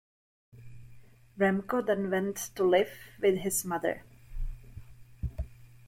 Remco then went to live with his mother.